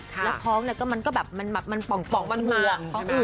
และท้องก็มันมาเหือ